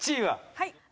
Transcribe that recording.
はい。